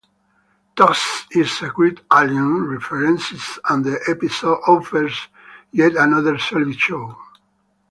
Toss in a great "Alien" reference and the episode offers yet another solid show.